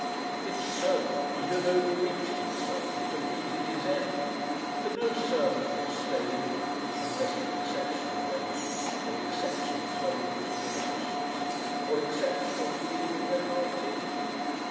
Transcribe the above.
If so, he had overreached himself and defeated his end, for no servant would stay in them unless for exceptional wages or exceptional tolerance of inefficiency or exceptional freedom in repartee.